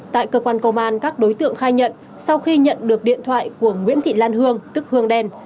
tại cơ quan công an các đối tượng khai nhận sau khi nhận được điện thoại của nguyễn thị lan hương tức hương đen